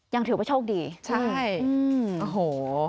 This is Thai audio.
ยังถือว่าโชคดีอืมอืมโอ้โฮ